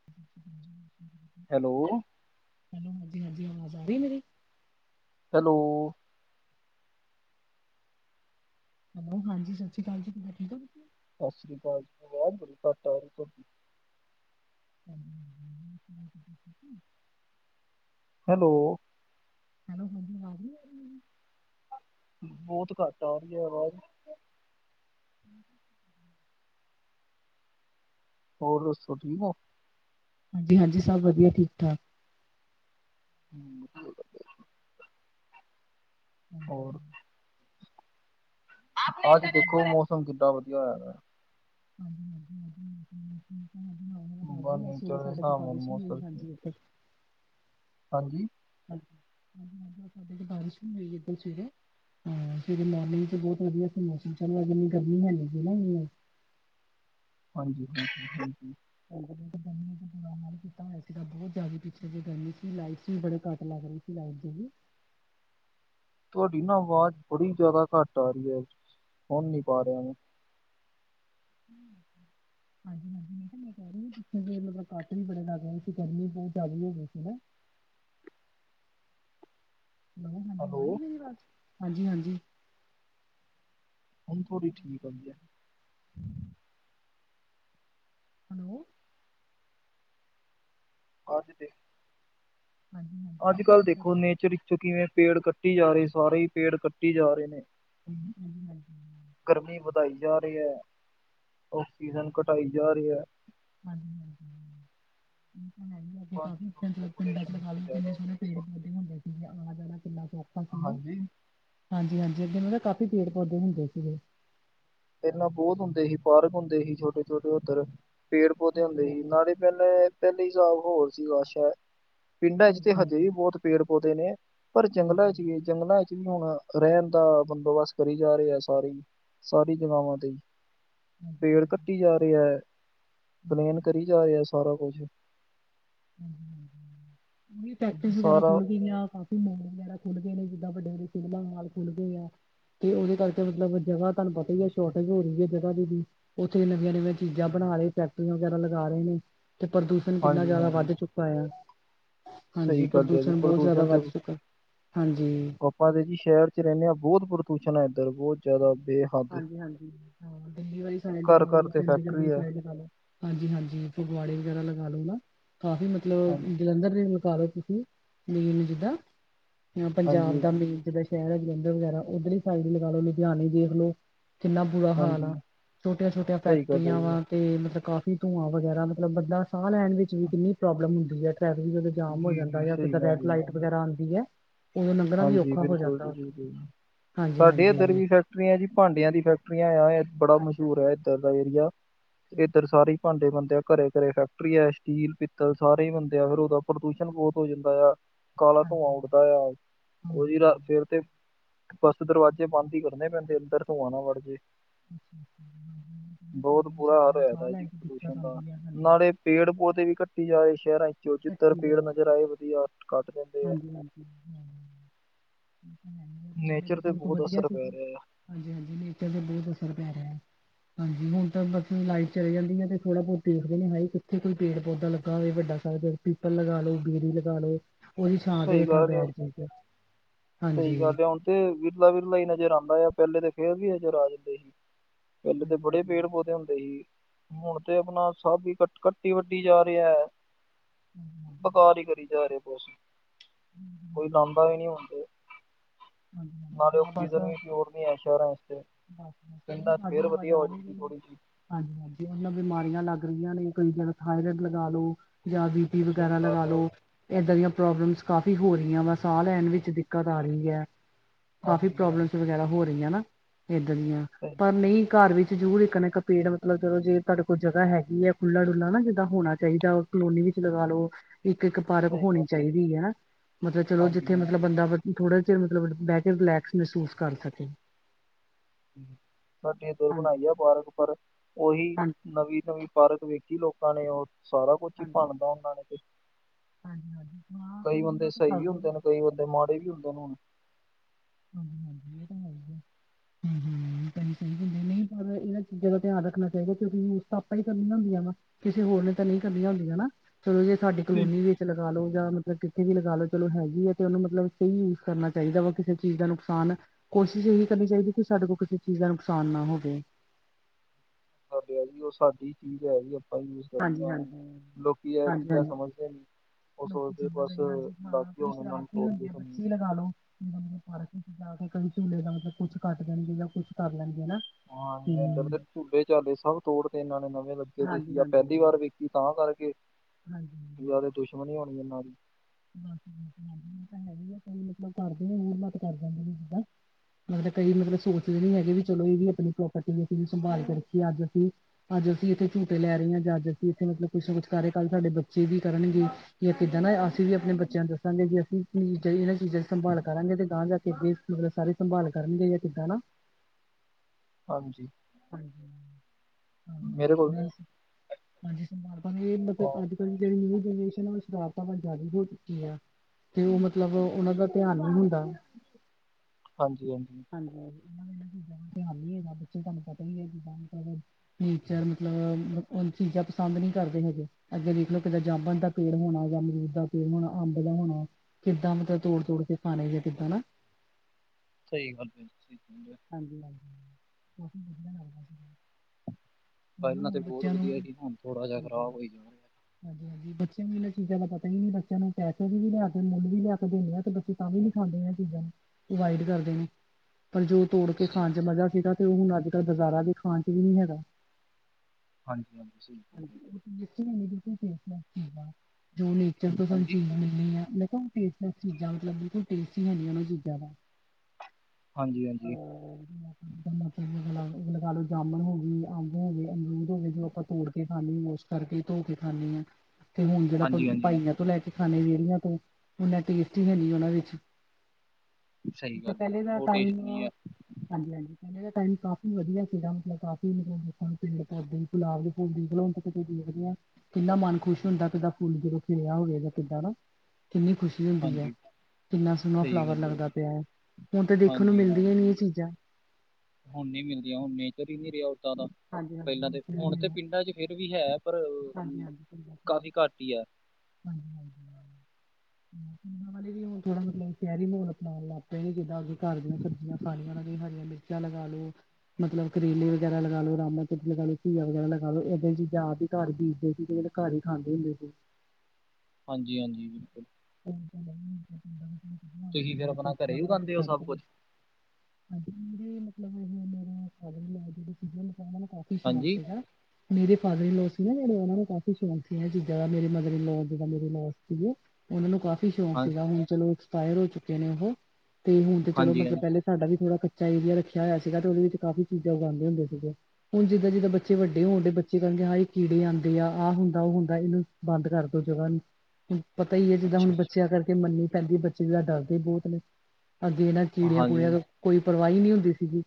[inaudible] Hello [unintelligible] hello hello, ਹਾਂਜੀ, ਸਤਿ ਸ੍ਰੀ ਅਕਾਲ ਜੀ। ਸਤਿ ਸ੍ਰੀ ਅਕਾਲ ਜੀ, ਆਵਾਜ਼ ਬੜੀ ਘੱਟ ਆ ਰਹੀ ਤੁਹਾਡੀ। ਹਾਂਜੀ ਹਾਂਜੀ। ਹੈਲੋ ਹੈਲੋ ਆਵਾਜ਼ ਨੀ ਆ ਰਹੀ। ਬਹੁਤ ਘੱਟ ਆ ਰਹੀ ਹੈ ਆਵਾਜ਼। ਹੋਰ ਦੱਸੋ ਠੀਕ ਹੋ? ਹਾਂਜੀ ਹਾਂਜੀ ਸਭ ਵਧੀਆ ਠੀਕ ਠਾਕ। [inaudible] ਹਾਂਜੀ ਹੋਰ ਅੱਜ ਹਾਂਜੀ ਦੇਖੋ ਮੌਸਮ ਕਿੱਡਾ ਵਧੀਆ ਹੋਇਆ। ਹਾਂਜੀ-ਹਾਂਜੀ। ਬਸ ਮਿਂਟਾ ਦੇ ਹਿਸਾਬ ਨਾਲ ਮੌਸਮ। ਇੱਥੇ ਹਾਂਜੀ ਹਾਂਜੀ ਹਾਂਜੀ ਸਾਡੇ ਤੇ ਬਾਰਿਸ਼ ਵੀ ਹੋਈ ਏਧਰ ਸਵੇਰੇ। ਹਾਂ ਮੋਰਮਿੰਗ ਚ ਬਹੁਤ ਵਧੀਆ ਸੀ ਮੌਸਮ ਚ ਇਨੀ ਗਰਮੀ ਹੈ ਨਹੀਂ ਸੀ ਨਾ। ਹਾਂਜੀ ਹਾਂਜੀ ਹਾਂਜੀ। [inaudible] ਕੀਤਾ ਹੋਇਆ ਸੀਗਾ ਬਹੁਤ ਜ਼ਿਆਦਾ। ਪਿੱਛੇ ਜਿਹੇ ਗਰਮੀ ਸੀ ਲਾਈਟਸ ਵੀ ਬੜੇ ਕੱਟ ਲਗ ਰਹੀ ਸੀ ਲਾਈਟ ਦੇ ਵੀ। ਤੁਹਾਡੀ ਨਾ ਆਵਾਜ਼ ਬੜੀ ਜਿਆਦਾ ਘੱਟ ਆ ਰਹੀ ਹੈ। ਸੁਣ ਨਹੀ ਪਾ ਰਿਹਾ ਮੈਂ। ਹਮ ਹਾਂਜੀ ਹਾਂਜੀ ਕਿਹਾ ਮੈਂ ਕਹਿ ਰਹੀ ਪਿੱਛੇ ਕਤ ਵੀ ਬੜੇ ਲੱਗ ਗਏ ਸੀ ਗਰਮੀ ਵੀ ਬਹੁਤ ਜ਼ਿਆਦਾ ਹੋ ਗਈ ਸੀ [inaudible] ਹਮ ਹੈਲੋ ਹਾਂਜੀ ਹਾਂਜੀ ਹੁਣ ਥੋੜੀ ਠੀਕ ਆਈ ਹੈ। ਹਮ ਹੈਲੋ ਹਾਂਜੀ ਦੇ ਹਾਂਜੀ ਹਾਂਜੀ ਮੈਂ ਅੱਜ ਕਿਹਾ ਕੱਲ ਜਿੱਦਾਂ ਦੇਖੋ ਨੇਚਰ ਵਿੱਚੋਂ ਕਿਵੇਂ ਪੇੜ ਕੱਟੀ ਜਾ ਰਹੇ ਸਾਰੇ ਹੀ ਪੇੜ ਕੱਟੀ ਜਾ ਰਹੇ ਨੇ। ਹਮ ਹਾਂ ਗਰਮੀ ਵਧਾਈ ਜਾ ਰਹੀ ਹੈ ਔਕਸੀਜਨ ਘਟਾਈ ਜਾ ਰਹੀ ਹੈ। ਹਾਂਜੀ, ਹਾਂਜੀ ਇਹ ਤਾਂ ਹੈ ਹੀ। ਕਾਫੀ ਪਲ ਪਿੰਡਾਂ ਚ ਲਗਾ ਲੋ ਵੀ ਜ਼ਿਆਦਾ ਕਿੰਨੇ ਹੋ ਸੋਹਣੇ ਗਈ ਹੈ ਪੇੜ ਪੌਦੇ ਹੁੰਦੇ ਸੀਗੇ ਆ। ਕਿੰਨਾ ਸੌਖਾ ਸੀ ਨਾ ਹਾਂਜੀ ਹਾਂਜੀ ਅੱਗੇ ਕਾਫੀ ਪੇੜ ਪੌਦੇ ਹੁੰਦੇ ਸੀਗੇ। ਪਹਿਲਾਂ ਬਹੁਤ ਹੁੰਦੇ ਸੀ ਪਾਰਕ ਹੁੰਦੇ ਸੀ ਛੋਟੇ ਛੋਟੇ ਉੱਧਰ ਪੇੜ ਪੌਦੇ ਹਾਂਜੀ ਹੁੰਦੇ ਸੀ ਹਾਂਜੀ ਨਾਲੇ। ਪਹਿਲੇ ਪਹਿਲੇ ਹਿਸਾਬ ਹੋਰ ਸੀ ਸ਼ਾਇਦ ਪਿੰਡਾਂ ਚ ਹਾਂਜੀ ਤੇ ਹਜੇ ਹਾਂਜੀ ਵੀ ਬਹੁਤ ਪੇੜ ਪੌਦੇ ਨੇ ਪਰ ਜੰਗਲਾਂ ਹਾਂਜੀ ਚ ਏ ਜੰਗਲਾਂ ਚ ਹੁਣ ਰਹਿਣ ਦਾ ਬੰਦੋਬਸਤ ਕਰੀ ਜਾ ਰਹੇ ਆ ਸਾਰੇ। ਸਾਰੀ ਜਗ੍ਹਾਵਾਂ ਤੇ ਹਾਂਜੀ ਪੇੜ ਹਾਂਜੀ ਕੱਟੀ ਜਾ ਰਹੇ ਆ। ਪਲੇਨ ਹਾਂਜੀ ਕਰੀ ਜਾ ਰਹੇ ਆ ਸਾਰਾ ਕੁੱਛ। ਪ੍ਰੈਕਟਿਸ ਵਗੈਰਾ ਸਾਰਾ ਖੁੱਲ ਗਈਆਂ। ਮੋਲ ਵਗੈਰਾ ਖੁੱਲ ਗਏ ਨੇ ਜਿੱਦਾਂ ਵੱਡੇ ਵੱਡੇ [inaudible] ਮਾਲ ਖੁੱਲ ਗਏ ਆ। ਤੇ ਉਹਦੇ ਕਰਕੇ ਮਤਲਬ ਜਗ੍ਹਾ ਤੁਹਾਨੂੰ ਪਤਾ ਹੀ ਹੈ ਸ਼ੋਰਟੇਜ ਹੋ ਰਹੀ ਹੈ ਜਗ੍ਹਾ ਦੀ ਵੀ। ਉੱਥੇ ਨਵੀਆਂ ਨਵੀਆਂ ਚੀਜ਼ਾਂ ਬਣਾ ਰਹੇ ਫੈਕਟਰੀਆਂ ਵਗੈਰਾ ਲਗਾ ਰਹੇ ਨੇ। ਤੇ ਪ੍ਰਦੂਸ਼ਣ ਕਿੰਨਾ ਹਾਂਜੀ ਜ਼ਿਆਦਾ ਹਾਂਜੀ ਵੱਧ ਚੁੱਕਾ ਹੈ। ਹਾਂਜੀ ਸਹੀ ਗੱਲ ਹੈ ਜੀ ਪ੍ਰਦੂਸ਼ਣ ਬਹੁਤ ਜ਼ਿਆਦਾ ਤੇ ਵੱਧ ਚੁੱਕਾ ਹਾਂਜੀ। ਆਪਾਂ ਜੀ ਸ਼ਹਿਰ ਚ ਰਹਿੰਦੇ ਆ ਬਹੁਤ ਪ੍ਰਦੂਸ਼ਣ ਹੈ ਇੱਧਰ ਬਹੁਤ ਜ਼ਿਆਦਾ ਫਿਰ। ਹਾਂਜੀ ਹਾਂਜੀ ਹਾਂ ਦਿੱਲੀ ਵਾਲੀ ਸਾਈਡ ਘਰ ਲਗਾ ਲੋ ਘਰ ਤੇ ਚੰਡੀਗੜ੍ਹ ਵਾਲੀ ਫੈਕਟਰੀ ਹੈ ਸਾਈਡ ਲਗਾ ਲੋ। ਹਾਂਜੀ ਹਾਂਜੀ ਫਗਵਾੜੇ ਵਗੈਰਾ ਲਗਾ ਲਉ ਨਾ ਕਾਫ਼ੀ ਮਤਲਬ ਹਾਂਜੀ ਜਲੰਧਰ ਲਗਾ ਲਉ ਤੁਸੀਂ। ਮੀਲ ਜਿੱਦਾਂ ਹ ਹਾਂਜੀ ਪੰਜਾਬ ਹਾਂਜੀ ਦਾ ਮੀਲ ਜਿੱਦਾਂ। ਪਟਿਆਲਾ ਜਲੰਧਰ ਵਗੈਰਾ ਉੱਧਰ ਹੀ ਸਾਈਡ ਲਗਾ ਲਉ ਲੁਧਿਆਣੇ ਦੇਖ ਲਉ। ਕਿੰਨਾ ਬੁਰਾ ਹਾਲ ਆ ਹਾਂਜੀ, ਛੋਟੀਆਂ ਛੋਟੀਆਂ ਸਹੀ ਗੱਲ ਹੈ ਫੈਕਟਰੀਆਂ ਵਾ। ਅਤੇ ਮਤਲਬ ਕਾਫੀ ਧੂੰਆਂ ਵਗੈਰਾ ਮਤਲਬ ਬੰਦਾ ਸਾਹ ਲੈਣ ਵਿੱਚ ਵੀ ਕਿੰਨੀ ਪ੍ਰੋਬਲਮ ਹੁੰਦੀ ਹੈ। ਫੈਮਲੀ ਦੇ ਜੀ ਜਾਮ ਹੋ ਜੀ ਜੀ ਜਾਂਦਾ ਜਾਂ ਸਹੀ ਕਿਦਾਂ ਗੱਲ ਰੈਡ ਹੈ ਲਾਈਟ ਜੀ ਵਗੈਰਾ ਆਉਂਦੀ ਹੈ। ਉਦੋਂ ਲੰਗਣਾ ਵੀ ਹਾਂਜੀ ਔਖਾ ਹੋ ਬਿਲਕੁਲ ਜਾਂਦਾ ਜੀ ਉਥੋਂ ਬਿਲਕੁਲ ਹਾਂਜੀ ਸਾਡੇ ਇੱਧਰ ਹਾਂਜੀ। ਵੀ ਫੈਕਟਰੀਆਂ ਜੀ ਭਾਂਡਿਆਂ ਦੀ ਫੈਕਟਰੀਆਂ ਆ ਬੜਾ ਅੱਛਾ ਮਸ਼ਹੂਰ ਹੈ ਜੀ ਇੱਧਰ ਦਾ ਏਰੀਆ ਠੀਕ ਇੱਧਰ ਹੈ ਜੀ ਸਾਰੀ। ਭਾਂਡੇ ਬਣਦੇ ਆ ਘਰੇ ਘਰੇ ਫੈਕਟਰੀ ਹੈ ਸਟੀਲ ਪਿੱਤਲ ਸਾਰੇ ਹੀ ਬਣਦੇ ਆ ਫਿਰ ਉਹਦਾ ਪ੍ਰਦੂਸ਼ਣ ਬਹੁਤ ਹੋ ਜਾਂਦਾ ਆ। ਕਾਲਾ ਧੂੰਆਂ ਹਾਂਜੀ ਉੱਡਦਾ ਆ। ਉਹ ਜੀ ਰਾਤ ਹਾਂਜੀ ਫੇਰ ਤੇ ਬਸ ਦਰਵਾਜ਼ੇ ਬੰਦ ਹੀ ਕਰਨੇ ਪੈਂਦੇ ਅੰਦਰ ਧੂਆ ਨਾ ਵੜ ਜੇ। ਬਹੁਤ ਪ੍ਰੋਬਲਮ ਬੁਰਾ ਹਾਲ ਸਾਹ ਹੋਇਆ ਜੀ ਲੈਣ ਚ ਪ੍ਰਦੂਸ਼ਣ ਦਿੱਕਤ ਦਾ ਆਉਂਦੀ ਹੈ ਹਾਂਜੀ ਨਾਲੇ। ਪੇੜ ਪੌਦੇ ਵੀ ਕੱਟੀ ਜਾ ਰਹੇ ਸ਼ਹਿਰਾਂ ਚੋਂ ਸਤਿ ਜਿੱਧਰ ਸ਼੍ਰੀ ਪੇੜ ਅਕਾਲ ਨਜ਼ਰ ਆਏ ਵਧੀਆ ਕੱਟ ਜਾਂਦੇ। ਹਾਂਜੀ ਹਾਂਜੀ ਹਾਂ ਪੁਰਾਣੇ ਨੇਚਰ ਤੇ ਬਜ਼ੁਰਗ ਬਹੁਤ ਵਧੀਆ ਅਸਰ ਸੀ। ਪੈ ਰਿਹਾ ਹੈ ਹਾਂਜੀ ਹਾਂਜੀ ਨੇਚਰ ਤੇ ਬਹੁਤ ਅਸਰ ਪੈ ਰਿਹਾ। ਹਾਂਜੀ ਹੁਣ ਤਾਂ ਬਸ ਲਾਈਟ ਚਲੇ ਜਾਂਦੀ ਹੈ ਤੇ ਥੋੜਾ ਬਹੁਤ ਦੇਖਦੇ ਨੇ ਹਾਏ ਕਿੱਥੇ ਕੋਈ ਪੇੜ ਪੌਦਾ ਲੱਗਾ ਹੋਵੇ ਵੱਡਾ। ਫਿਰ ਪਿੱਪਲ ਲਗਾ ਲਉ ਬੇਰੀ ਲਗਾ ਲਉ ਉਹਦੀ ਛਾਂ ਦੇ ਸਹੀ ਹੇਠਾਂ ਗੱਲ ਹੈ ਬੈਠ ਜਾ ਕੇ। ਸਹੀ ਗੱਲ ਹੈ ਹੁਣ ਤੇ ਵਿਰਲਾ -ਵਿਰਲਾ ਹੀ ਨਜ਼ਰ ਆਉਂਦਾ ਆ ਪਹਿਲੇ ਤੇ ਫੇਰ ਵੀ ਨਜ਼ਰ ਆ ਜਾਂਦੇ ਸੀ। ਪਹਿਲੇ ਤੇ ਹਾਂਜੀ ਬੜੇ ਹਾਂਜੀ ਹਾਂਜੀ ਪੇੜ ਪੌਦੇ ਹੁੰਦੇ ਸੀ। ਹੁਣ ਤੇ ਆਪਣਾ ਸਭ ਹੀ ਕਟ ਕੱਟੀ ਵੱਢੀ ਜਾ ਰਿਹਾ ਹੈ। ਬਕਾਰ ਹੀ ਕਰੀ ਜਾ ਰਿਹੇ ਬਸ ਕੋਈ ਲਾਉਂਦਾ ਵੀ ਨਹੀਂ ਹੁਣ ਤੇ। ਹਾਂਜੀ ਨਾਲੇ ਆਕਸੀਜਨ ਵੀ ਪਿਓਰ ਨੀ ਹੈ ਸ਼ਹਿਰਾਂ ਚ। ਬ ਪਿੰਡਾਂ 'ਚ ਬਾਾਜੀ ਫੇਰ ਵਧੀਆ ਹੋ ਨਵਾਜਣ ਜਾਂਦੀ ਗ ਥੋੜੀ ਜੀ [inaudible] ਹਾਂਜੀ -ਹਾਂਜੀ ਉਹ ਨਾਲ ਬਿਮਾਰੀਆਂ ਲੱਗ ਰਹੀਆਂ ਨੇ ਕਈ ਜਿਵੇਂ ਥਾਇਰੋਡ ਲਗਾ ਲਓ ਜਾਂ ਵੀ ਬੀਨੀ। ਸਹੀ ਵਗੈਰਾ ਗੱਲ ਲਗਾ ਹੈ ਲੋ। ਏਦਾਂ ਦੀਆਂ ਪ੍ਰੋਬਲਮਸ ਕਾਫੀ ਹੋ ਰਹੀਆਂ ਵਾ ਸਾਹ ਲੈਣ ਵਿੱਚ ਦਿੱਕਤ ਆ ਰਹੀ ਏ। ਕਾਫੀ ਹਾਂਜੀ ਹਾਂਜੀ ਪ੍ਰੋਬਲਮਸ ਵਗੈਰਾ ਹੋ ਰਹੀਆਂ ਨਾ ਏਦਾਂ ਦੀਆਂ ਸਹੀ ਪਰ ਗੱਲ ਨਹੀਂ। ਘਰ ਵਿੱਚ ਜ਼ਰੂਰ ਇੱਕ ਨਾ ਇੱਕ ਪੇੜ ਮਤਲਬ ਜਦੋ ਜੇ ਤੁਹਾਡੇ ਕੋਲ ਜਗ੍ਹਾ ਹੈਗੀ ਹੈ ਖੁੱਲਾ -ਡੁੱਲਾ ਨਾ ਜਿੱਦਾਂ ਹੋਣਾ ਚਾਹੀਦਾ। ਕਲੋਨੀ ਵਿੱਚ ਲਗਾ ਲੋ ਇੱਕ ਇੱਕ ਪਾਰਕ ਸਹੀ ਗੱਲ ਹੋਣੀ ਜੀ, ਚਾਹੀਦੀ ਏ। ਮਤਲਬ ਚਲੋ ਹਾਂਜੀ ਜਿੱਥੇ ਮਤਲਬ ਹਾਂਜੀ ਬੰਦਾ, ਥੋੜਾ ਚਿਰ ਮਤਲਬ ਬਹਿ ਕੇ ਰਿਲੈਕਸ ਮਹਿਸੂਸ ਕਰ ਸਕੇ। ਸਾਡੇ ਦੂਰ ਹਾਂਜੀ ਬਣਾਈ ਆ ਪਾਰਕ ਪਰ ਉਹੀ ਹਾਂਜੀ ਨਵੀਂ -ਨਵੀਂ। ਪਾਰਕ ਵੇਖੀ ਲੋਕਾਂ ਨੇ ਉਹ ਸਾਰਾ ਕੁਛ ਹਾਂਜੀ ਹੀ ਭਣਦਾ ਉਹਨਾਂ ਨੇ ਤੇ। ਹਾਂਜੀ -ਹਾਂਜੀ ਕਈ ਬੰਦੇ ਸੁ ਸਹੀ ਵੀ ਕਰਦੇ ਹੋ ਹੁੰਦੇ ਨੇ [inaudible] ਕਈ ਬੰਦੇ ਮਾੜੇ ਵੀ ਹੁੰਦੇ ਨੇ ਹੁਣ। ਹੈ ਹੈ [inaudible] ਹਮ ਹਮ ਤਾਂ ਹੀ ਸਹੀ ਹੁੰਦੇ ਨਹੀਂ। ਪਰ ਇਹਨਾਂ ਚੀਜ਼ਾਂ ਦਾ ਧਿਆਨ ਰੱਖਣਾ ਚਾਹੀਦਾ ਕਿਉਂਕਿ ਯੂਜ਼ ਤਾਂ ਆਪਾਂ ਹੀ ਕਰਨਨੀਆ ਹੁੰਦੀਆਂ ਵਾ। ਕਿਸੇ ਹੋਰ ਨੇ ਤਾਂ ਨਹੀਂ ਕਰਨੀਆਂ ਹੁੰਦੀਆਂ ਨਾ ਚਲੋ ਜੇ ਸਾਡੀ ਜੀ। ਕਲੋਨੀ ਵਿੱਚ ਲਗਾ ਲਓ। ਜਾਂ ਮਤਲਬ, ਵੀ ਲਗਾ ਲੋ ਚਲੋ ਹੈਗੀ ਹੈ ਤੇ ਉਹਨੂੰ ਮਤਲਬ ਸਹੀ ਯੂਜ ਕਰਨਾ ਚਾਹੀਦਾ। ਵਾ ਕਿਸੇ ਚੀਜ਼ ਦਾ ਨੁਕਸਾਨ ਕੋਸ਼ਿਸ਼ ਇਹੀ ਕਰਨੀ ਚਾਹੀਦੀ ਕਿ ਸਾਡੇ ਕੋਲ ਕਿਸੇ ਚੀਜ਼ ਦਾ ਨੁਕਸਾਨ ਨਾ ਹੋਵੇ। ਸਾਡੇ ਜੀ ਉਹ ਸਾਡੀ ਚੀਜ਼ ਹੈ ਜੀ ਉਹ। ਾਂ ਯੂਜ ਕਰਨੀ ਹਾਂਜੀ ਉਹਨੂੰ ਹਾਂਜੀ ਲੋਕੀ ਇਹ ਹਾਂਜੀ ਚੀਜ਼ਾਂ ਹਾਂਜੀ ਸਮਝਦੇ ਨੇੀ। ਲੋਕੀ ਸਮਝਗੇ ਹਾਂਜੀ ਹਾਂ ਤਾਂ ਹੁਣ ਇਹਨਾਂ ਨੂੰ ਸ਼ਰਾਰਤੀ ਹੁੰਦੀ ਤੋੜੀਏ ਆ ਬੱਚੀ ਸਾਨੂੰ ਹੀ ਲਗਾ ਲਓ [inaudible] ਪਾਰਕ ਵਿੱਚ ਜਾ ਕੇ ਕਈ ਝੂਲੇ ਦਾ ਮਤਲਬ ਕੁੱਛ ਕੱਟ ਦੇਣਗੇ ਜਾਂ ਕੁਛ ਕਰ ਲੈਣਗੇ ਹਨਾ। ਹਾਂ ਇੱਧਰ ਤੇ ਝੂਲੇ ਝਾਲੇ ਸਭ ਤੋੜ ਤੇ ਇਹਨਾਂ ਨੇ ਨਵੇਂ ਲੱਗੇ ਤੇ ਹਾਂਜੀ ਸੀ ਹਾਂਜੀ ਪਹਿਲੀ ਵਾਰ ਵੇਖੀ ਤਾਂ ਕਰਕੇ ਹਾਂਜੀ ਤੇ ਦੁਸ਼ਮਣੀ ਹੋਣੀ ਇਹਨਾਂ ਦੀ। ਹੈਗੀ ਆ ਮਤਲਬ ਕਰਦੇਬਤ ਕਰ ਜਾਂਦੇ ਨੇ ਜਿੱਦਾਂ [inaudible] ਮਤਲਬ ਕਈ ਮਤਲਬ ਸੋਚਦੇ ਨੀ ਹੈਗੇ ਵੀ ਚਲੋ ਇਹ ਵੀ ਆਪਣੀ ਪ੍ਰੋਪਰਟੀ ਦੀ ਅਸੀਂ ਵੀ ਸੰਭਾਲ ਰੱਖੀਏ। ਅੱਜ ਅਸੀਂ, ਅੱਜ ਅਸੀਂ ਇੱਥੇ ਝੂਟੇ ਲੈਣ ਰਹੇ ਹਾਂ ਜ ਅੱਜ ਸੀਂ ਮਤਲਬ ਕੁਛ ਕੁਛ ਕਾਰਕਾਲ ਸਾਡੇ ਬੱਚੇ ਵੀ ਕਰਨਗੇ। ਕੀਪਦ ਨਾ, ਅਸੀਂ ਵੀ ਆਪਣੇ ਬੱਚਿਆਂ ਨੂੰ ਦੱਸਾਂਗੇ, ਅਸੀਂ ਇਹਨਾਂ ਚੀਜ਼ਾਂ ਦੀ ਸੰਭਾਲ ਕਰਾਂਗੇ ਅਤੇ ਤਾਂਹ ਜਾ ਕੇੱ, ਮਤਲਬ ਸਾਰੀ ਸੰਭਾਲ ਕਰਨਗੇ ਕਿੱਦਾਂ ਨਾ। ਹਾਂਜੀ-ਹਾਂਜੀ ਹਾਂਜੀ ਹਾਂ ਮੇਰੇ ਕੋਲ ਨੀ ਮ ਹਾਂਜੀਾਰ ਮਤਬ ਹਾਂ ਅੱਜ [inaudible] ਜਿਹੜੀ ਨਿਊ ਜਨਰੇਸ਼ਨ ਸ਼ਰਾਰਤਾਂ ਵਾਂ ਜਾਰੀ ਹੋ ਚੁੱਕੀ ਆ। ਤੇ ਉਹ ਮਤਲਬ ਉਹਨਾਂ ਦਾ ਧਿਆਨ ਨਹੀਂ ਹੁੰਦਾ। ਹਾਂਜੀ -ਹਾਂਜੀ ਹਾਂਜੀ ਚੀਜ਼ਾਂ ਦਾ ਧੀਗਾ ਬੇ ਤੁਹਾਨੂੰ ਪਤਾ ਹੀ ਹੈ ਜਿੱਦਾਂ ਨੇਚਰ ਮਤਲਬ ਚੀਜ਼ਾਂ ਪਸੰਦ ਨਹੀਂ ਕਰਦੇ ਹੈਗੇ ਅੱਗੇ ਦੇਖਲੋ ਕਿਦਾਂ ਜਾਮਣ ਤਾਂ, ਪੇੜ ਹੋਣਾ ਜਾਂ ਮਜ਼ੂਦ ਦਾ ਪੇੜ ਹੋਣਾ ਅੰਬ ਦਾ ਹੋਣਾ ਕਿੱਦਾਂ ਮਤਲਬ ਤੋੜ- ਤੋੜ ਕੇ ਖਾਣੇ ਹੈ ਕਿੱਦਾਂ ਨਾ ਸਹੀ ਗੱਲ ਹੈ ਸਹੀ। ਹਾਂਜੀ -ਹਾਂਜੀ ਲੱਗਦਾ ਸੀ। ਫਾਈਲਾਂ ਤੇ ਬਹੁਤ ਵਧੀਆ ਜੀ ਹੁਣ ਥੋੜ੍ਹਾ ਜਿ ਹਾਂਜੀ ਖਰਾਬ ਹੋਈ ਜਾਣਾ। ਹਾਂਜੀ- ਹਾਂਜੀ ਬੱਚਿਆਂ ਨੂੰ ਇਹਨਾਂ ਚੀਜ਼ਾਂ ਦਾ ਪਤਾ ਹੀ ਨੀ ਬੱਚਿਆਂ ਨੂੰ ਪੈਸੇ ਵੀ ਲਿਆ ਕੇ ਮੁੱਲ ਵੀ ਲਿਆ ਕੇ ਦੇਣੇ ਆ ਤੇ। ਅਸੀ ਤਾਂ ਵੀ ਨੀ ਖਾਂਦੇ ਇਹ ਚੀਜ਼ਾਂ ਨੂੰ ਅਵਾਇਡ ਕਰਦੇ ਨੇ। ਪਰ ਜੋ ਤੋੜ ਕੇ ਸਹੀ ਖਾਣ ਚ ਮਜ਼ਾ ਸੀਗਾ ਤੇ ਉਹ ਹੁਣ ਅੱਜ ਕੱਲ੍ਹ ਬਾਜ਼ਾਰਾਂ ਦੇ ਖਾਣ ਚ ਵੀ ਨਹੀਂ ਹੈਗਾ। ਹਾਂਜੀ ਹਾਂਜੀ ਸਹੀ ਦੇਖੀ ਜਾਂ ਫੀ ਜੋ ਨੇਚਰ ਤੋਂ ਸਾਨੂੰ ਹਾਂਜੀ ਚੀਜ਼ਾਂ ਮਿਲਣੀ ਆ ਮੈਂ ਕਿਹਾ ਸ ਚੀਜ਼ਾਂ ਮਤਲਬ ਬਿਲਕੁਲ ਟੇਸਟੀ ਹੁੰਦੀਆਂ ਉਹਨਾਂ ਚੀਜ਼ਾਂ ਦਾ ਹਾਂਜੀ ਹਾਂਜੀ ਹਹ ਲਗਾ ਲਓ ਜਾਮਣ ਹੋ ਗਈ ਹੋਵੇ ਅੰਰੂਦ ਹੋਵੇ ਜੋ ਆਪਾਂ ਤੋੜ ਕੇ ਖਾਂਦੇ ਹਾਂ ਉਸ ਕਰਕੇ ਧੋ ਕੇ ਖਾਂਦੇ ਹਾਂ ਤੇ ਹੁਣ ਜਿਹੜਾ ਹਾਂਜੀ ਹਾਂਜੀ ਪਾਈਆਂ ਤੋਂ ਲੈ ਕੇ ਖਾਣੇ ਵਿੇੜੀਆਂ ਤੋਂ ਨਾ ਟੇਸਟੀ ਹੈ ਨਹੀਂ ਉਹਨਾਂ ਵਿੱਚ ਸਹੀ ਮ ਗੱਲ ਹੈ ਪਹਿਲੇ ਜੀ ਦਾ ਉਹ ਟਾਈਮ ਟੇਸਟ ਨਹੀਂ ਹੈ ਹਾਂਜੀ ਹਾਂਜੀ ਹਿਿਮਲੇ ਦਾ ਟਾਈਮ ਕਾਫੀ ਵਧੀਆ ਸੀਗਾ ਮਤਲਬ ਕਾਫੀ ਮਤਲਬ ਪੇੜ ਭਦੇ ਫੁਲਾਬ ਦੇ ਫੁਲ ਦੇਖ ਲੋ ਹਣ ਤਾਂ ਦੇਖਦੇ ਆ ਕਿੰਨਾ ਮਨ ਖੁਸ਼ ਹੁੰਦਾ ਕਿਦਾ ਫੁੱਲ ਜਦੋਂ ਖਰਿਆ ਹੋਵੇਗਾ ਕਿੱਦਾਂ ਨਾ ਕਿੰਨੀ ਖੁਸ਼ੀ ਹੁੰਦੀ ਹੈ ਹਾਂਜੀ ਕਿੰਨਾ ਸੋਹਣਾ ਸਹੀ ਫਲਾਵਰ ਗੱਲ ਲੱਗਦਾ ਜੀ ਪਿਆ ਹੈ ਹੁਣ ਤਾਂ ਦੇਖਣ ਨੂੰ ਮਿਲਦੀਆਂ ਨੀ ਇਹ ਚੀਜ਼ਾਂ ਹੁਨੇ ਮਿਲਦੀਆਂ ਹੁਨੇ ਚ ਹੀ ਨੀ ਰਿਹਾ ਉੱਦਾਂ ਦਾ ਹਾਂਜੀ ਹਾਂਜੀ ਪਹਿਲਾਂ ਤੇ ਬਿਲਕੁਲ ਹੁਣ ਨਹੀਂ ਤੇ ਹੈ। ਪਿੰਡਾਂ ਚ ਫਿਰ ਵੀ ਹੈ ਪਰ ਹਾਂਜੀ ਹਾਂਜੀ ਸਹੀ ਗੱਲ ਹੈ। ਕਾਫ਼ੀ ਘੱਟ ਹੀ ਹੈ ਹਾਂਜੀ ਹਾਂਜੀ ਪਿੰਡਾਂ ਵਾਲੇ ਵੀ ਹੁਣ ਥੋੜਾ ਮਤਲਬ ਸ਼ਹਿਰੀ ਮਾਹੌਲ ਆਪਣਾ ਲੱ ਕੀ ਜਿੱਦਾਂ ਅਗੇ ਘਰ ਦੀਆਂ ਸਬਜ਼ੀਆਂ ਖਾਣੀਆਂ ਉਹਨਾਂ ਦੀ ਹਰੀਆਂ ਮਿਰਚਾਂ ਲਗਾ ਲੋ ਮਤਲਬ ਕਰੇਲੇ ਵਗੈਰਾ ਲਗਾ ਲਓ ਰਾਮਾ [unintelligible] ਲਗਾ ਲਓ ਘੀਆ ਵਗੈਰਾ ਲਗਾ ਲਓ ਇੱਦਾਂ ਚੀਜ਼ ਆਪ ਈ ਘਰ ਬੀਜਦੇ ਸੀ ਤੇ ਜਿਹੜੇ ਘਰ ਹੀ ਖਾਂਦੇ ਹੁੰਦੇ ਸੀ। ਹਾਂਜੀ ਹਾਂਜੀ ਬਿਲਕੁਲ। [inaudible] ਤੁਸੀਂ ਫੇਰ ਆਪਣਾ ਘਰੇ ਹੀ ਉਗਾਂਦੇ ਹੋ ਸਭ ਕੁੱਝ? ਹ ਮਤਬ ਮੇ ਕਾਫੀ ਸ਼ੌਕ ਹਾਂਜੀ ਸੀਗਾ ਮੇਰੇ ਫਾਦਰ ਲੋ ਸੀ ਨਾ ਜਿੜੇ ਉਹਨਾਂ ਨੂੰ ਕਾਫੀ ਸ਼ੌਂਕ ਸੀ ਇਹ ਚੀਜ਼ਾਂ ਦਾ ਮੇਰੀ ਮਦਰ ਲੋ ਮੇਰੀ ਲੋ ਸੀਗੇ ਉਹਨਾਂ ਨੂੰ ਕਾਫ਼ੀ ਸ਼ੌਂਕ ਹਾਂ ਸੀਗਾ ਹੁਣ ਚਲੋ ਐਕਸਪਾਇਰ ਹੋ ਚੁੱਕੇ ਨੇ ਉਹ ਤੇ ਹੁਣ ਤੇ ਚਲੋ ਹਾਂਜੀ ਮਤਲਬ ਹਾਂਜੀ ਪਹਿਲੇ ਸਾਡਾ ਵੀ ਥੋੜਾ ਕੱਚਾ ਏਰੀਆ ਰੱਖਿਆ ਹੋਇਆ ਸੀਗਾ ਉਹਦੇ ਵਿੱਚ ਕਾਫ਼ੀ ਚੀਜ਼ਾਂ ਉਗਾਉਂਦੇ ਹੁੰਦੇ ਸੀਗੇ। ਹੁਣ ਜਿੱਦਾਂ ਜਿੱਦਾਂ ਬੱਚੇ ਵੱਡੇ ਹੋਣ ਡੇ ਬੱਚੇ ਕਹਣਗੇ ਹਾ ਕੀੜੇ ਆਂਦੇ ਆ ਆਹ ਹੁੰਦਾ ਉਹ ਹੁੰਦਾ ਇਹਨੂੰ ਬੰਦ ਕਰਦੋ ਜਗ੍ਹਾ ਨੂੰ। ਹੁਣ ਪਤਾ ਹੀ ਹੈ ਜਿੱਦਾਂ ਹੁਣ ਅੱਛਾ ਅੱਛਾ ਬੱਚਿਆਂ ਕਰਕੇ ਮੰਨੀ ਪੈਂਦੀ ਹੈ ਬੱਚੇ ਜਿੱਦਾਂ ਡਰਦੇ ਹੀ ਬਹੁਤ ਏ ਅੱਗੇ ਇਹਨਾਂ ਕੀੜੀਆਂ ਕੁੂੜੀਆਂ ਹਾਂਜੀ ਦੀ ਕੋਈ ਪਰਵਾਹੀ ਈ ਨਹੀਂ ਹੁੰਦੀ ਸੀਗੀ।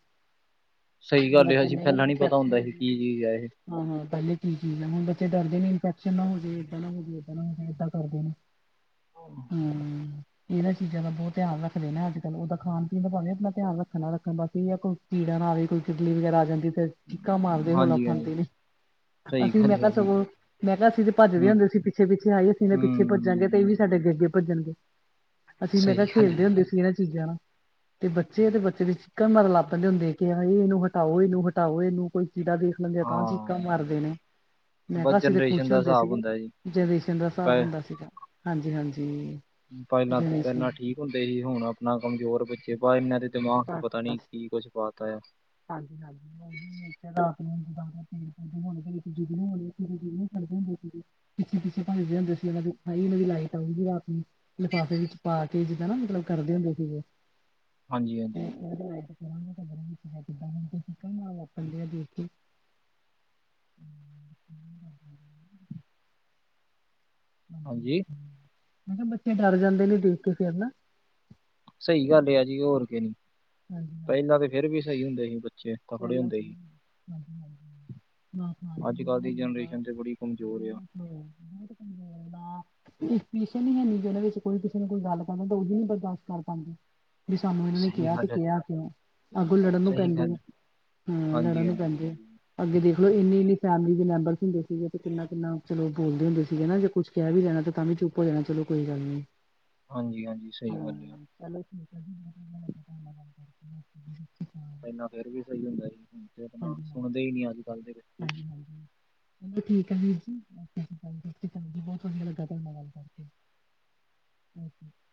ਸਹੀ ਹੁਣ ਗੱਲ ਏ ਬੱਚੇ ਹਾਂਜੀ ਨਹੀਂ ਪਹਿਲਾਂ ਨੀ ਪਤਾ ਇਨਫੈਕਸ਼ਨ ਹੁੰਦਾ ਹੋ ਸੀ ਕੀ ਜਾਏਗੀ ਚੀਜ਼ ਹੈ ਇਹ। ਹਾਂ ਹਾਂ ਪਹਿਲੇ ਕੀ ਚੀਜ਼ ਹੈ ਹੁਣ ਬੱਚੇ ਡਰਦੇ ਨੇ ਇਨਫੈਕਸ਼ਨ ਨਾ ਹੋਜੇ ਏਦਾਂ ਨਾ ਹੋ ਜਾਵੇ ਏਦਾਂ ਨਾ ਹੋ ਜਾਏ ਏਦਾਂ ਕਰਦੇ ਨੇ। [unintelligible] ਇਹਨਾਂ ਚੀਜ਼ਾਂ ਦਾ ਬਹੁਤ ਧਿਆਨ ਰੱਖਦੇ ਨੇ ਅੱਜ ਕੱਲ ਉਹਦਾ ਖਾਣ ਪੀਣ ਦਾ ਭਾਵੇਂ ਆਪਣਾ ਧਿਆਨ ਰੱਖਣ ਨਾ ਰੱਖਣ ਬਾਕੀ ਇਹ ਆ ਕੋ ਕੀੜਾ ਨਾ ਆਵੇ ਕੋਈ ਕਿਰਲੀ ਵਗੈਰਾ ਆ ਜਾਂਦੀ ਤੇ ਚੀਕਾ ਮਾਰਦੇ ਹੋੌਲਾ ਹਾਂਜੀ ਹਾਂਜੀ ਪਾਾਂਦੇ ਨੇ। ਸਹੀ ਅਸੀਂ ਗੱਲ ਮੈਂ ਕਿਹਾ ਹੈ ਜੀ ਸਗੋਂ ਮੈਂ ਕਿਹਾ ਅਸੀ ਤੇ ਭੱਜਦੇ ਹੂੰ ਹੁੰਦੇ ਸੀ ਪਿੱਛੇ ਪਿੱਛੇ ਹਾਏ ਅਸੀਂ ਨਾ ਪਿੱਛੇ ਭੱਜਾਂਗੇ ਤੇ ਇਹ ਵੀ ਹੂੰ ਸਾਡੇ ਅੱਗੇ ਅੱਗੇ ਭੱਜਣਗੇ ਅਸੀਂ ਮੈਂ ਕਿਹਾ ਸਹੀ ਗੱਲ ਖੇਲਦੇ ਹੈ ਜੀ ਹੁੰਦੇ ਸੀ ਇਹਨਾਂ ਚੀਜ਼ਾਂ ਨਾਲ। ਏ ਬੱਚੇ ਹੈ ਬੱਚੇ ਤੇ ਚੀਕਾਂ ਮਾਰਨ ਲਾਗ ਪੈਂਦੇ ਹੁੰਦੇ ਕੇ ਇਹਨੂੰ ਹਟਾਓ ਇਹਨੂੰ ਹਟਾਓ ਇਹਨੂੰ ਕੋਈ ਕੀੜਾ ਦੋ ਲੰਗਆ ਤਾਂ ਹਾਂ ਚੀਕਾਂ ਜੀ ਹਾਂ ਮਾਰਦੇ ਜੀ। ਨੇ। ਮੈਂ ਬਸ ਕਿਹਾ ਅਸੀ ਤੇ ਜਨਰੇਸ਼ਨ ਖੁਸ਼ ਦਾ ਹੁੰਦੇ ਹਿਸਾਬ ਸੀਗੇ ਹੁੰਦਾ ਜੀ ਜਨਰੇਸ਼ਨ ਦਾ ਹਿਸਾਬ ਪ ਹੁੰਦਾ ਸੀਗਾ ਹਾਂਜੀ ਹਾਂਜੀ। ਪਹਿਲਾਂ ਤੇ ਜਨਰੇਸ਼ਨ ਪਹਿਲਾਂ ਠੀਕ ਹੁੰਦੇ ਸੀ ਹੁਣ ਆਪਣਾ ਕਮਜ਼ੋਰ ਬੱਚੇ ਵਾ ਇਹਨਾਂ ਦੇ ਦਿਮਾਗ ਚ ਪਤਾ ਨੀ ਕੀ ਕੁੱਛ ਪਾ ਤਾ ਆ। ਹਾਂਜੀ-ਹਾਂਜੀ। [unintelligible] ਪਿੱਛੇ ਪਿੱਛੇ ਭੱਜਦੇ ਹੁੰਦੇ ਸੀ ਉਹਨਾਂ ਦੇ [unintelligible] ਲਾਈਟ ਆਊਗੀ ਰਾਤ ਨੂੰ। ਲਿਫਾਫੇ ਵਿੱਚ ਪਾ ਕੇ ਜਿੱਦਾਂ ਨਾ ਮਤਲਬ ਕਰਦੇ ਹੁੰਦੇ ਸੀਗੇ ਹਾਂਜੀ ਹਾਂਜੀ [unintelligible] [inaudible] ਹਾਂਜੀ। ਮੈ ਕਹਿਆ ਬੱਚੇ ਡਰ ਜਾਂਦੇ ਨੇ ਦੇਖ ਕੇ ਫੇਰ ਨਾ। ਸਹੀ ਗੱਲ ਏ ਐ ਜੀ ਹੋਰ ਕੇ ਹਾਂਜੀ ਹਾਂਜੀ ਪਹਿਲਾਂ ਤੇ ਫੇਰ ਵੀ ਸਹੀ ਹੁੰਦੇ ਸੀ ਬੱਚੇ। ਤਕੜੇ ਹੁੰਦੇ ਸੀ [inaudible] ਖਾਣ ਅੱਜ ਪੀਣ ਦਾ ਕੱਲ੍ਹ ਹੁਣ ਦੀ ਹੈਗਾ ਜਨਰੇਸ਼ਨ ਤੇ ਬੜੀ ਕਮਜ਼ੋਰ ਏ ਹੁਣ। ਪੇਸ਼ੇਨਸ ਈ ਹੈ ਨੀ ਜਰਾ ਵਿੱਚ ਕੋਈ ਕਿਸੀ ਨੇ ਗੱਲ ਕਰਨੀ ਤਾਂ ਉਹੀ ਨੀ ਬਰਦਾਸ਼ ਕਾਰ ਪਾ ਬਈ ਸਾਨੂੰ ਇਹਨਾਂ ਨੇ ਸਹੀ ਕਿਹਾ ਤੇ ਗੱਲ ਹੈ, ਕਿਹਾ ਕਿਉਂ ਅੱਗੋਂ ਲੜਨ ਨੂੰ ਸਹੀ ਪੈਂਦੇ ਆ। ਗੱਲ ਹਾਂ ਲੜਨ ਹਾਂਜੀ ਨੂੰ ਹਾਂਜੀ ਪੈਂਦੇ ਆ। ਅੱਗੇ ਦੇਖ ਲਓ ਇੰਨੀ ਇੰਨੀ ਫੈਮਿਲੀ ਦੇ ਮੈਂਬਰਸ ਹੁੰਦੇ ਸੀਗੇ ਤੇ ਕਿੰਨਾ ਕਿੰਨਾ ਚਲੋ ਬੋਲਦੇ ਹੁੰਦੇ ਸੀਗੇ ਨਾ ਜੇ ਕੁਛ ਕਹਿ ਵੀ ਦੇਣਾ ਤੇ ਤਾਂ ਵੀ ਚੁੱਪ ਹੋ ਜਾਣਾ ਚਲੋ ਕੋਈ ਗੱਲ ਨੀ। ਹਾਂਜੀ ਹਾਂਜੀ ਸਹੀ ਹਾਂ ਗੱਲ ਆ। [inaudible] ਪਹਿਲਾ ਫੇਰ ਵੀ ਸਹੀ ਹੁੰਦਾ ਸੀ ਹੁਣ ਤੇ ਆਪਣਾ ਹਾਂਜੀ ਹਾਂਜੀ ਸੁਣਦੇ ਹੀ ਨੀ ਅੱਜ ਕੱਲ੍ਹ ਦੇ ਬ [inaudible] [unintelligible] ਚਲੋ ਠੀਕ ਹੈ ਵੀਰ ਜੀ [unintelligible] ਬਹੁਤ ਵਧੀਆ ਲੱਗਾ ਤੁਸਾਡੇ ਨਾਲ ਗੱਲ ਕਰਕੇ [inaudible]